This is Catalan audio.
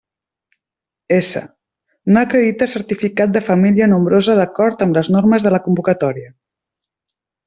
S: no acredita certificat de família nombrosa d'acord amb les normes de la convocatòria.